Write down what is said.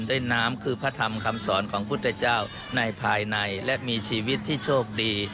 ด้วยน้ำคือพระธรรมคำสอนของพุทธเจ้าในภายในและมีชีวิตที่โชคดี